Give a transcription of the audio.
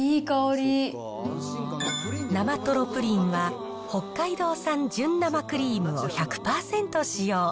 生とろプリンは、北海道産純生クリームを１００％使用。